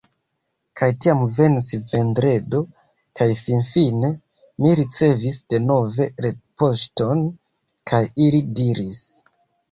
Kaj tiam venis Vendredo, kaj finfine, mi ricevis denove retpoŝton, kaj ili diris: